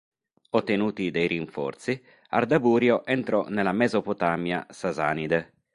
Ottenuti dei rinforzi, Ardaburio entrò nella Mesopotamia sasanide.